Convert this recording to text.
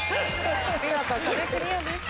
見事壁クリアです。